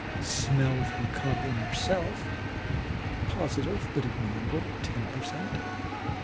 smell of her Cub and herself, positive but ignorable, ten per cent.